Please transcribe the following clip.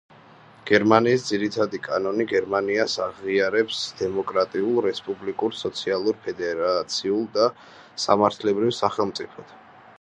გერმანიის ძირითადი კანონი გერმანიას აღიარებს დემოკრატიულ, რესპუბლიკურ, სოციალურ, ფედერაციულ და სამართლებრივ სახელმწიფოდ.